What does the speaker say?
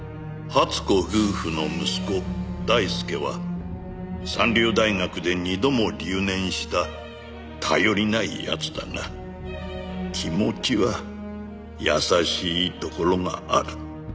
「初子夫婦の息子大輔は三流大学で二度も留年した頼りない奴だが気持ちは優しいところがある」